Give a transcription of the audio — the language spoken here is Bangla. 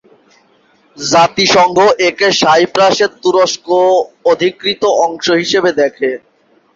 জাতিসংঘ একে সাইপ্রাসের তুরস্ক অধিকৃত অংশ হিসেবে দেখে।